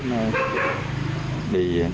nó đi đường